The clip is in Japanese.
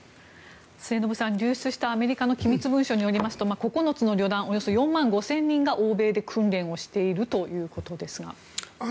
末延さん、流出したアメリカの機密文書によりますと９つの旅団およそ４万５０００人が欧米で訓練をしているということですが。